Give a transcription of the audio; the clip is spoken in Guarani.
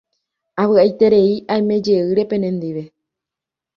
Avy'aiterei aimejeýre penendive.